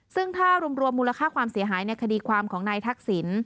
ซึ่งถ้ารวมมูลค่าความเสียหายในคดีความของนายทักษิณ